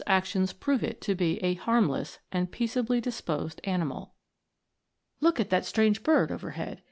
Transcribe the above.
actions prove it to be a harmless and peaceably dis posed animal. Look at that strange bird overhead